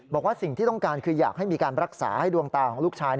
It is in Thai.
บอกว่าสิ่งที่ต้องการคืออยากให้มีการรักษาให้ดวงตาของลูกชาย